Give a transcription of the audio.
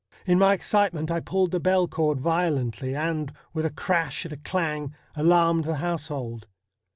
In my excitement I pulled the bell cord violently, and, with a crash and a clang, alarmed the household.